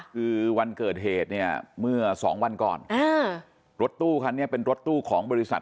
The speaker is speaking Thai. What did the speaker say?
คือวันเกิดเหตุเนี่ยเมื่อสองวันก่อนรถตู้คันนี้เป็นรถตู้ของบริษัท